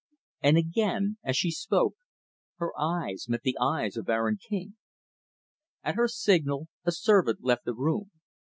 And, again, as she spoke, her eyes met the eyes of Aaron King. At her signal, a servant left the room.